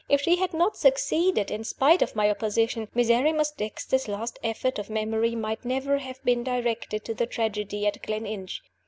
If she had not succeeded, in spite of my opposition, Miserrimus Dexter's last effort of memory might never have been directed to the tragedy at Gleninch.